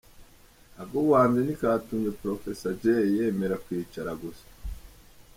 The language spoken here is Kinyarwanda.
Ak'ubuhanzi ntikatumye Professor Jay yemera kwicara gusa.